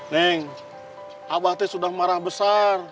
neng abah tuh sudah marah besar